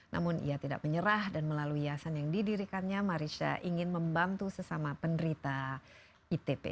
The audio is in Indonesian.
namun ia tidak menyerah dan melalui hiasan yang didirikannya marisha ingin membantu sesama penderita itp